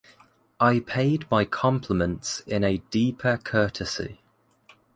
I paid my compliments in a deeper curtsey.